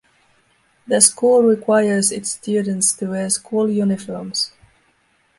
The school requires its students to wear school uniforms.